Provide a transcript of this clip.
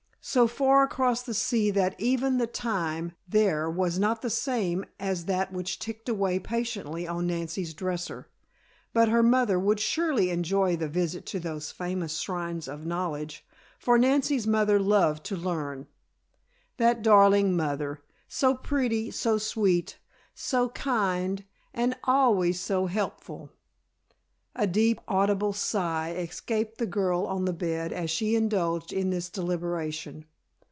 So far across the sea that even the time there was not the same as that which ticked away patiently on Nancy's dresser. But her mother would surely enjoy the visit to those famous shrines of knowledge, for Nancy's mother loved to learn. That darling mother! So pretty, so sweet, so kind and always so helpful! A deep, audible sigh escaped the girl on the bed as she indulged in this deliberation.